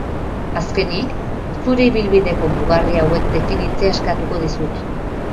Azkenik, zure ibilbideko mugarri hauek definitzea eskatuko dizut.